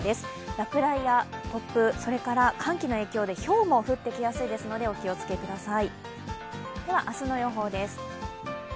落雷や突風、寒気の影響でひょうも降ってきやすいのでお気をつけください。